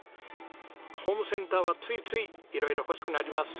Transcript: ホームセンターはついつい色々欲しくなります。